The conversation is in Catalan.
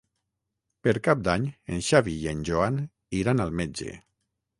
Per Cap d'Any en Xavi i en Joan iran al metge.